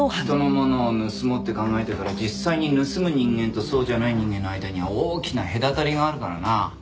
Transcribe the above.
人のものを盗もうって考えてから実際に盗む人間とそうじゃない人間の間には大きな隔たりがあるからな。